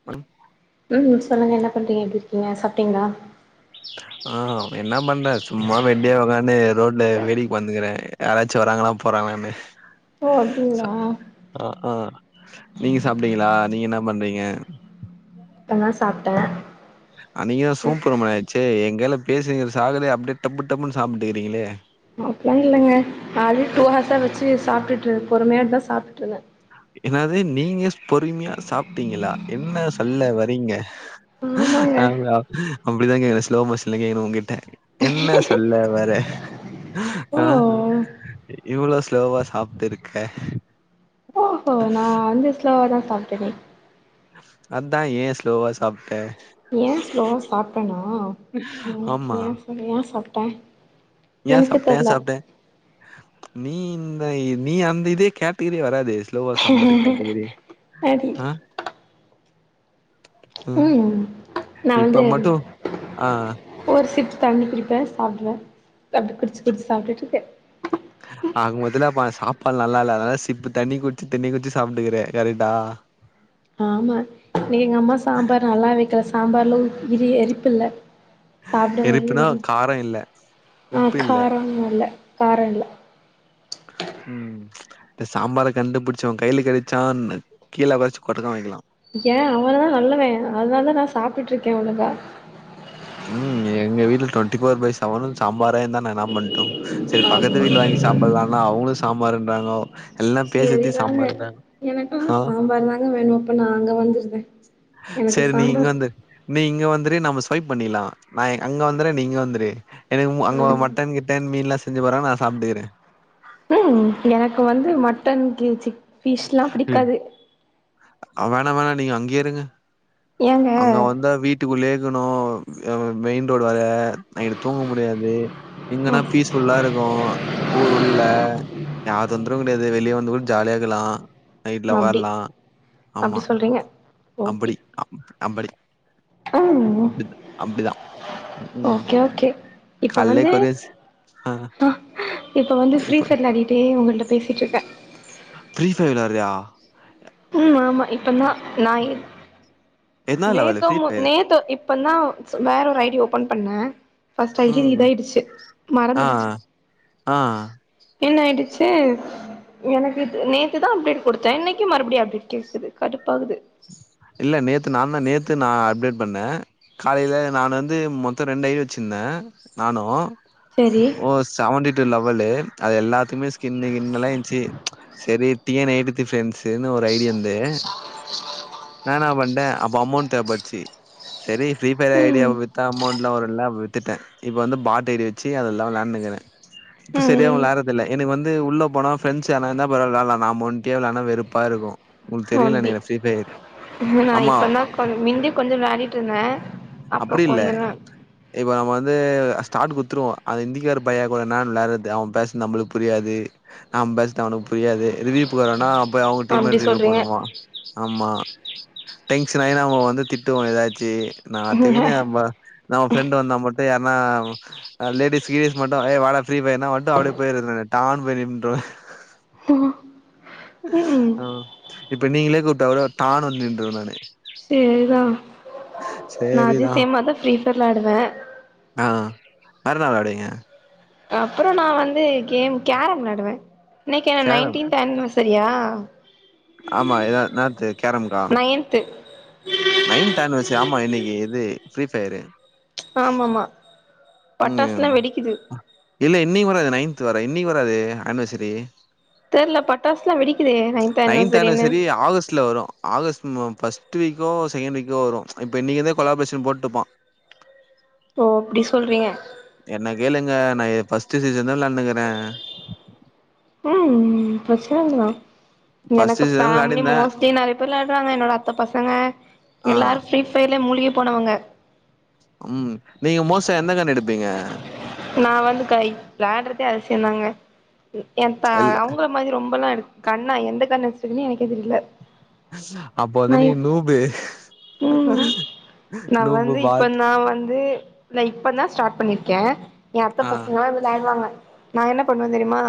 [unintelligible] ம் சொல்லுங்க என்ன பண்றீங்க எப்டி இருக்கீங்க சாப்ட்டீங்ளா ஆ என்ன பண்ற சும்மா வெட்டியா உக்காந் து எ ரோட்ல வேடிக்கு வந்துக்கிறே யாராச்சு வராங்களா போறாங்களானு ஓ அப்டிங்ளா அ அ நீங்க சாப்ட்டீங்களா நீங்க என்ன பண்றீங்க இப்பதா சாப்ட்டே அ நீதா தா சூப்பர் வுமென்னாச்சே எங்குல்ல பேசுகிற சாகல அப்டியே டப்பு டப்புன்னு சாப்ட்டுக்கிறீங்களே அப்பெல்லா இல்லிங்க அது டூ ஹர்ஸா வச்சு சாப்ட்டுட்டு இருந் பொறுமையா தா சாப்ட்டுட்டு இருந்த என்னது நீங்க பொறுமையா சாப்ட்டீங்ளா என்ன சொல்ல வரீங்க ஆமாங்க ஆ அப்டிதா கேகணு ஸ்லோ மோஷன்ல்ல கேகணு உங்கிட்ட என்ன சொல்ல வர ஓ ஆ இவ்ளோ ஸ்லோவா சாப்ட்டு இருக்க ஓஹோ நா வந்து ஸ்லோவா தா சாப்ட்டேனே அதா ஏ ஸ்லோவா சாப்ட்ட ஏ ஸ்லோவா சாப்ட்டணா ஓகே ஆமா ஏ சாப்ட்டே ஏ எனக்கு சாப்ட்டே ஏ தெர்ல சாப்ட்டே நீ இந்த நீ அந்த இதே கேட்டகிராயே வராதே ஸ்லோவா சாப்புற கேட்டகிரி அடி ஆ ம் நா இப்ப வந்து மட்டு ஆ ஒரு சிப் தண்ணி குடிப்ப சாப்டுவ அப்டி குடிச்சு குடிச்சு சாப்ட்ட்டு இருக்க ஆக மொத்தல்ல அப்ப சாப்பாடு நல்லா இல்ல அதனால சிப்பு தண்ணி குடிச்சு தண்ணி குடிச்சு சாப்ட்டுக்குற கரெக்டா [inaudible] ஆமா எங்க அம்மா சாம்பார் நல்லா வைக்கல சாம்பார்ல உப் எரிப்பு இல்ல சாப்ட மாரி எரிப்புனா வரு காரோ இல்ல அ உப்பு இல்ல காரோம் நல்ல காரோ இல்ல ம் இந்த சாம்பார கண்டுபிடிச்சவே கைல கெடச்சான்னு கீழ வச் கொட்ட கா வாய்ங்கலா ஏ அவ்ளதா நல்லவே அத்னால தா நா சாப்ட்டு இருக்கே ஒழுங்கா ம் எங்க வீட்ல டுவென்டி ஃபோர் பை செவனு சாம்பாரே தா இன்னா தா பண்ட்டு செரி பக்கத்து வீட்ல வாங்கி சாப்புட்லான்னா அவுங்ளு சாம்பாரு ன்றாங்கோ செரிதாங்க எனக்கு ஆ சாம்பார் தாங்க வேணு அப்ப நா அங்க வந்துர்றே சரி நீ இங்க வந்து நீ இங்க வந்துரு நம்ம ஸ்வைப் பண்ணிற்ல்லா நா அங்க வந்துர்றே நீ இங்க வந்துர்ரு எனக்கு ம அங்க வேணுமா மட்டன் கிட்டன் மீன்ல்லா செஞ்சு போறாங நா சாப்ட்டுக்றே ம் எனக்கு வந்து மட்டன் சிக் பிஷ்லா பிடிக்காது வேணா வேணா நீங்க அங்கேயே இருங்க ஏங்க அங்க வந்தா வீட் டுக்குள்ளேருக்கணு மெயின் ரோடு வேற நைட்டு தூங்க முடியாது இங்கன்னா அப் பீஸ் ஃபுல்லா இருக்கு ஊர் உள்ள யார் தொந்தரவு கெடையாது வெளிய வந்து கூட ஜாலியா இருக்கலா நைட்ல அப்டி ஒக்காரலா அப்டி சொல்றீங்க அப்டி அப்டி ம் அப்டு அப்டிதா ஓகே ஓகே இப்ப வந்து கொரியன்ஸ் ஆ இப்ப வந்து ஃப்ரீ இப்ப ‌ஃபையர் விளாடிட்டே உங்கள்ட்ட பேசிட்டு ருக்கே ஃப்ரீஃபையர் வெளாட்றியா ம் ஆமா இப்பந்தா நாயிர் என்னா லெவலு நேத்தோ ஃப்ரீ மு ஃபயரு நேத்தோ இப்பந்தா வேற ஒரு ஐடி ஓப்பன் பண்ணே ஃபர்ஸ்ட் ஐடி ம் இதாயிடுச்சு ஆ மறந்துடுச்சு ஆ என்ன ஆயிடுச்சு எனக்கு நேத்துதா அப்டேட் குடுத்தே இன்னைக்கு மறுபடி அப்டேட் கேக்குது கடுப்பாகுது இல்ல நேத்து நாந்தா நேத்து நா அப்டேட் பண்ணே காலைல நானு வந்து மொத்தோ ரெண்டு ஐ டி வச்சிருந்தே நானோ செரி ஒ செவன்டி டூ லெவல்லு அது எல்லாத்துமே ஸ்கின்னு கின்னுல்லா இன்சி சரி டி என் எயிட்டி தி ஃப்ரெண்ட்ஸுன்னு ஒரு ஐடி எந்து நா நா பண்ட்டே அப்போ அமௌண்ட் தேவப்படுச்சு சரி ஃப்ரீஃபயர் ஐடிய. ம் வித்தா அமௌண்ட்ல்லா வருல்ல வித்துட்டே இப்ப வந்து பாட் ஐ டி வச்சி அதெல்லா வெளாண்டுக்குறே இப்ப செரியாவு ம் வெளாட்றது இல்ல எனக்கு வந்து உள்ள போனா ஃப்ரெண்ட்ஸ் யார்னா இருந்தா பரவால்ல விளால்லா நாம ஒண்டியா வெளான்னா வெறுப்பா இருக்கு உங்ளுக்கு தெரில அப்டி நெனக்கிறே ஃப்ரீஃபையரு நா இப்பதா கொஞ் மிந்தி கொஞ்சோ விளாடிட்டு இருந்தே அப்றோ கொஞ்சோ தா இப்போ நம்ம வந்து ஸ்டார்ட் குடுத்துருவோ அந்த இந்திக்கார பையேக்கூட ன்னா வெளாட்றது அவே பேசறது நம்மளுக்கு புரியாது நம்ம பேஸ்து அவனுக்கு புரியாது ரிவியூக்குறான்னா போயி அவுங்க டீம்ம அப்டி ரிவியூ சொல்றீங்க பண்ணுவா ஆமா டென்ஷன் ஆயி நம்மோ வந்து திட்டுவோ ஏதாச்சி ன்னாத்துக்கு நம்ம நம்ம ஃப்ரெண்ட் வந்தா மட்டு யார்ன்னா லேடிஸ் கீடிஸ் மட்டு ஏய் வாடா ஃப்ரீ ஃபையர்னா மட்டு அப்டியே போயிட்றது நானு டான்னு போய் நின்றுவே ம் ம் அ இப்ப நீங்களே கூப்ட்டா கூடோ டான்னு வந்து நின்றுவே நானு சேர்ரா நா சேரிதான் அதிசயமா தா ஃப்ரீஃபையர் வெளாடுவே அ வேறென்னா வெளாடுவீங்க அப்றோ நா வந்து கேம் கேரம் வெளாடுவே இன்னைக்கு என்ன கேரம் நைன்டீன்த் ஆன்வசரியா ஆமா ஏ என்னாத்து கேரம்கா ன்து [inaudible] நைன்த் அனிவர்சரி ஆமா இன்னைக்கு எது ப்ரீ ஃப்யரு ஆமமா ம் பட்டாசுல்லா வெடிக்குது இல்ல இன்னைக்கு வராது நைன்த் வர இன்னைக்கு வராது அனிவர்சரி தெர்ல பட்டாசுலா வெடிக்குதே நைன்த் ஆனிவர்சரின்னு அனிவர்சரி ஆகஸ்ட்ல வரு ஆகஸ்ட் ம ஃபர்ஸ்ட் வீக்கோ செகண்ட் வீக்கோ வரு இப்போ இன்னைக்குந்தே கொலாப்ரேஷன் போட்டுப்பா ஓ அப்டி சொல்றீங்க என்ன கேளுங்க நா பஸ்ட்ட் சீசன் தா நனுுகிறே ம் பிரச்சன தா ஃபர்ஸ்ட் எனக்கு சீசன் ஃபேமிலி விளாடிருந்தே மோஸ்ட்லி நெறை ப்ப வெளையாடுறாங்க என்னோட அத்த பசங்க ஆ எல்லாரு ஃப்ரீ ஃபயர்லயே மூழிகி போனவங்க ம் நீங்க மோஸ்டா எந்த கண்ண எடுப்பீங்க நா வந்து கை வெளாடுறதே அசியந்தாங்க எ இல்ல அவங்க மாதிரி ரொம்பலா இருக்கு கண்ணா எந்த கண்ண வச்சிருக்குன்னு எனக்கே தெரியல அப்போத நீ நூபு ம் நா நூபு வந்து இப்ப பாட் நா வந்து நா இப்பதா ஸ்டார்ட் பண்ணிருக்கே எ அத்த ஆ பசங்கல்லா வெளாடுவாங்க நா என்ன பண்ணுவே தெரியுமா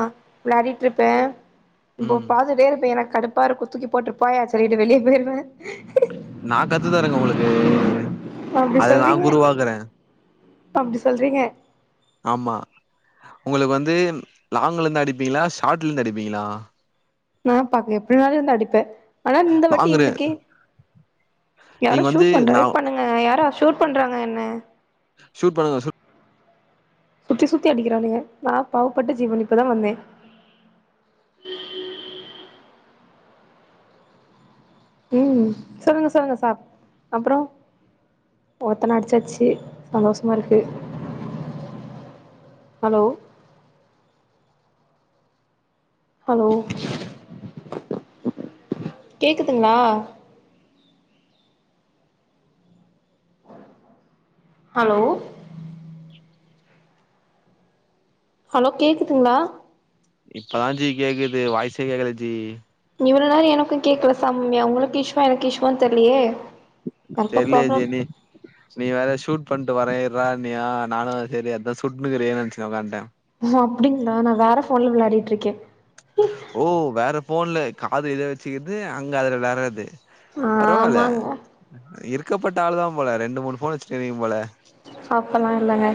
வெளாடிட்டுருப்பே இப்போ ம் பாத்துட்டே இருப்பே எனக்கு கடுப்பாருக்கு துக்கி போட்டு போயா சரிக்கிட்டு வெளிய போய்டுவே நா கத்து தரேங்க உங்களுக்கு அப்டி அத நா சொல்றீங்க உருவாக்குறே அப்டி சொல்றீங்க ஆமா உங்களுக்கு வந்து லாங்க்லேருந்து அடிப்பீங்களா ஷார்ட்லேருந்து அடிப்பீங்களா நா பாக் எப்டினாலுருந்து அடிப்பே ஆனா இந்த வாட்டி வாங்குறே இன்னைக்கு யாரோ நீங்க வந்து ஷூட் பண்ற நா பண்ணுங்க யாரோ ஷூட் பண்றாங்க என்ன ஷ்ஸுட் பண்ணுங்க சுத்தி சுத்தி அடிக்கிறானுங்க நா பாவப்பட்ட ஜீவன் இப்பதா வந்தே ம் சொல்லுங்க சொல்லுங்க சாப் அப்றோ ஒருத்தன அடிச்சாச்சு சந்தோஷமாருக்கு அலோ ஹலோ கேக்குதுங்களா அலோ ஹலோ கேட்குதுங்களா இப்பதா ஜி கேக்குது வாய்ஸே கேக்கல ஜி இவ்ளோ நேரோ எனக்கு கேட்கல சம்யா உங்களுக்கு இஸ்வா எனக்கு இஸ்வா தெரிலயே தெர்லயே ஜி நீ வேற ஷூட் பண்ணிட்டு வரே இர்றா நீயா நானு செரி அதா சுட்டுட்டு இருக்கியானு நனச்சு உட்கான்திட்டே அப்டிங்களா நா வேற ஃபோன்ல விளையாடிட்டு இருக்கே ஓ வேற ஃபோன்ல காது இத வச்சுக்குது அங்க அதுல வெளாட்றது பெரவால்ல ஆமாங்க இருக்கப்பட்ட ஆள் தா போல ரெண்டு மூணு ஃபோன் வச்சுந்தீங்க போல அப்பல்லா இல்லங்க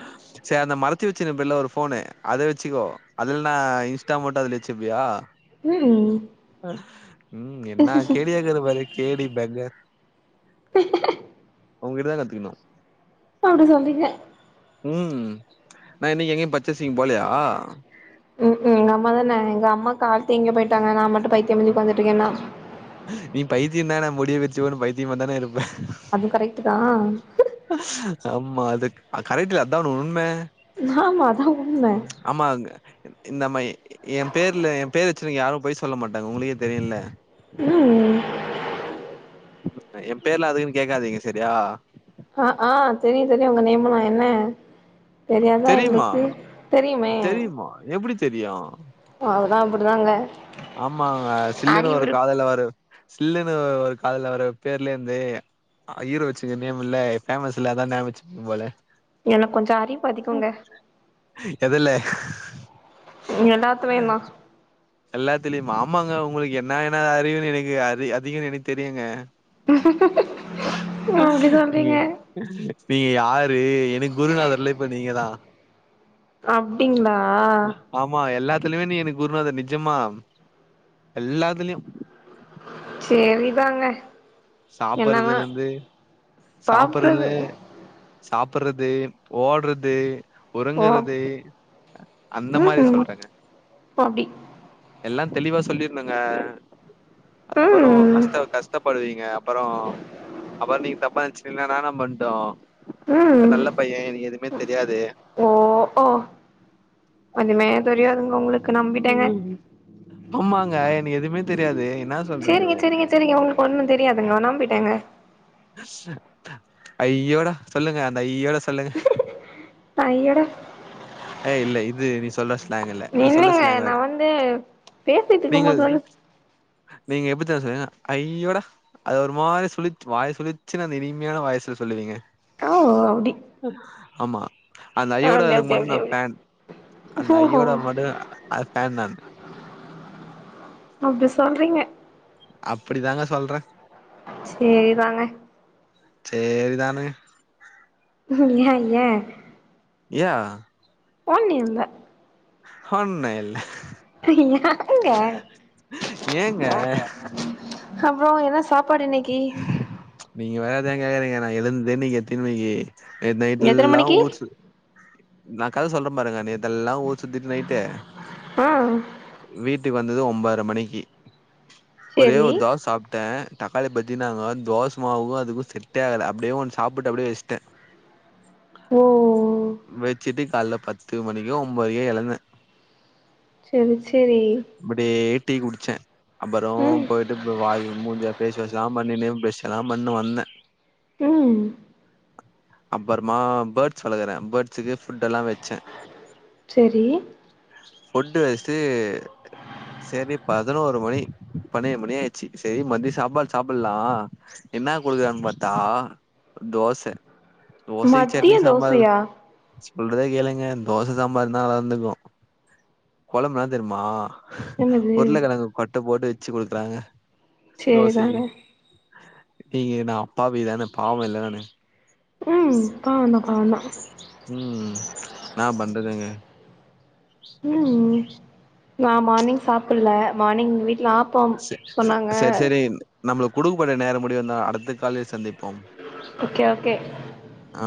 [inaudible] சே அந்த மறைச்சு வச்சிருப்பேல ஒரு ஃபோனு அத வச்சுக்கோ அதுல்ல நா இன்ஸ்டா மாட்டு அதுல வச்சுப்பியா ம் ம் என்ன கேடியா இருக்கிற பாரு கேடி பெக்கர் உங்கிட்ட தா கத்துக்கணு அப்டி சொல்றீங்க ம் நா இன்னைக்கு எங்கேயு பர்சேசிங் போலயா ம்ஹும் எங்க அம்மா தான எங்க அம்மா காலத்தே எங்கோ போயிட்டாங்க நா மட்டு பைத்தியம்மாதி ஒக்காந்துட்ருக்கேன்னா நீ பைத்தியந்தான முடிய விரிச்சு போட் பைத்தியமா தானே இருப்பே அது கரெக்டுதா ஆமா அது அ கரெக்ட்ல அதான உண்ம நாமா அதா உண்ம ஆமாங்க இந்தமாயி எ பேர்ல எ பேர் வச்சிருங்க யாரும் பொய் சொல்ல மாட்டாங்க உங்களுக்கே தெரியுல ம் எ பேர்லா அதுக்குன்னு கேக்காதீங்க சரியா அ ஆ தெரியு தெரியு உங்க நேம்லா என்ன தெரியாதா எங்களுக்கு தெரியுமே மா எப்டி தெரியு அதுதா அப்டிதாங்க ஆமாங்க சில்லுன்னு அறிவு ஒரு இருக் காதல்ல வர சில்லுன்னு ஒரு காதல வர பேர்லருந்தே அ ஈரோ வச்சுங்க நேம்முல்ல ஃபேமஸ்ஸுல்ல அதா நியாவொ வச்சுக்கீங்க போல எனக் கொஞ்சொ அறிவு அதிகோங்க எதுல்ல ம் எல்லாத்துலையுந்நா எல்லாத்துலயுமா ஆமாங்க உங்களுக்கு என்ன என்ன அறிவிருக்கு அதி அதிகொன் எனக் தெரியுங்க அப்டி ஏ சொல்றீங்க நீங்க யாரு எனக்கு குருநாதர்ல இப்ப நீங்கதா அப்டிங்ளா ஆமா எல்லாத்துலுமே நீ எனக் குருநாத நிஜமா எல்லாத்துலயு செரிதாங்க சாப்பறதுலந்து சாப்ட்றது சாப்பறதுலே சாப்பறது ஓடுறது ஓ ஒறங்குறது அந்த மாரி ம் சொல்றங்க அப்டி எல்லாந் தெளிவா சொல்லிருனுங்க அப்பறோ ம் கஷ்ட கஷ்டப்படுவீங்க அப்பறோ அப்பறோ நீங் தப்பா நெனச்சுட்ருந்த நா என்ன பண்ட்டு நா வேற ம் நல்ல பைய எனக்கு எதுவுமே தெரியாது ஓ ஒ ஒன்னுமே தெரியாதுங்க உங்களுக் ஆமாங்க எனக்கு எதுவுமே தெரியாது என்ன சொல்றது செரிங்க செரிங்க செரிங்க ஒங்களுக்கு ஒன்னு தெரியாதுங்க ஒ நம்பிட்டங்க ஐயோடா சொல்லுங்க அந்த ஐயோடா சொல்லுங்க ஐயோடா ஏ இல்ல இது நீ சொல்ற ஸ்லாங்குல்ல நீ சொல்ற ஸ்லாங் நா வேற வந்து நீங்க பேசிக்குட்ருக்கும்போது வரு நீங்க எப்டி தெமா சொல்வீங்க ஐயோடா அது ஒரு மாரி சுழிச்சு வாய சுழிச்சுன்னு அந்த இனிமையான வாய்சுல சொல்லுவீங்க ஓ அப்டி ஆமா அந்த ஐயோடா அப்டி அதுக்கு அப்டி மட்டு அப்டி நா அப்டி ஃபேன் அந்த ஓஹோ ஐயோட மட்டு நா அது ஃபேன் நான் அப்டி சொல்றீங்க அப்டி தாங்க சொல்ற சேரி தாங்க சேரிதானே ஏன் ஏன் யா ஒன்னி இல்ல ஒண்ணு இல்ல இங்க ஏங்க அப்றோ என்ன சாப்பாடு இன்னக்கி நீங்க வராதுன் கேக்காதீங்க நா எழுந் [unintelligible] நேத் எத்தன நைட்டெல்லா மணிக்கி ஊர் சுத் நா கத சொல்ற பாருங்க நேத் த்தெல்லா ஊர் சுத்திட்டு நைட்டு ஆ வீட்டுக்கு வந்தது ஒன்பதர மணிக்கு ஒரே சேரி ஒரு தோஸ் சாப்ட தக்காளி பச் ஜின்னாங்க தோச மாவுக்கு அதுக்கு செட்டே ஆகல அப்டியே ஒன் சாப்ட்டு அப்டியே வஷ்ட்ட ஓ வெச்சிட்டு காய்ல பத்து மணிக்கு ஒம்பரைக்கே எழுந்த செரி செரி அப்டியே டீ குடிச்ச அப்பற ம் போயிட்டு வாயி மூஞ்ச ஃபேஸ் வாஷ் லாம் பண்ணினு ப்ரஸ்ஸல்லா பண்ணு வந்த ம் அப்பறமா பேர்ட்ஸ் வளக்கற பேர்ட்ஸுக்கு ஃபுட்டெல்லா வெச்ச செரி ஃபுட்டு வெஷ்ட்டு செரி பதினோரு மணி பன்னேன் மணி ஆயிடுச்சு சரி மதிய சாப்பாடு சாப்புல்லா இன்னா குடுக்குறாங்ன் பாத்தா தோச தோசை மதிய சட்னி சாம்பாரு தோசையா சொல்ற கேளுங்க தோச சாம்பார்னா நல்லா இருந்திருக்கு கொழம்பு இன்னா தெர்மா என்னது உருளக்கெழங்கு கொட்ட போட்டு வெச்சு குடுக்குறாங்க சேரிதாங்க தோசைக்கு ஏங்க நா அப்பாவிதான பாவல்ல நானு ம் பாவந்தா பாவந்தா ம் ன்னா பண்றதுங்க ம் நா மார்னிங் சாப்பில்ல மார்னிங் வீட்ல ஆப் செர் செ செர் செரி நம்ளுக் குடுக்கப்பட்ட நேரம் முடியும் தா அடுத்த கால்லி சந்திப்போம் ஓகே ஓகே ஆ